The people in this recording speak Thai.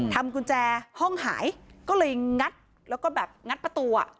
ทำกุญแจห้องหายก็เลยงัดแล้วก็แบบงัดประตูอ่ะ